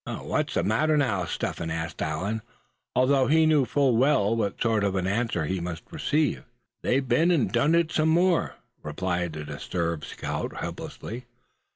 "What's the matter now, Step Hen?" asked Allan; although he knew full well what sort of an answer he must receive. "They've been and done it some more," replied the disturbed scout, helplessly.